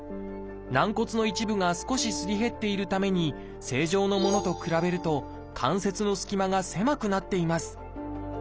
軟骨の一部が少しすり減っているために正常のものと比べると関節の隙間が狭くなっています。